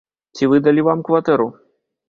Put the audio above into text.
Ці выдалі вам кватэру?